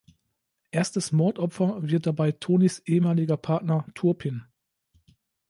Erstes Mordopfer wird dabei Tonys ehemaliger Partner Turpin.